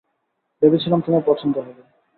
ভেবেছিলাম, তোমার পছন্দ হবে।